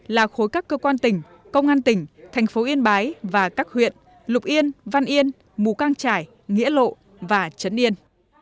là khối các cơ quan tỉnh công an tỉnh thành phố yên bái và các huyện lục yên văn yên mù cang trải nghĩa lộ và trấn yên